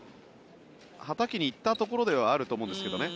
はたきに行ったところではあると思うんですけどね。